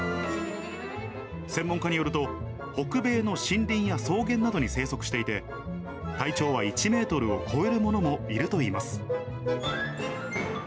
専門家によると、北米の森林や草原などに生息していて、体長は１メートルを超えるものもいるといいます。